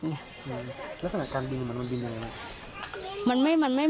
รัสสนับการบินมันมันบินอย่างไร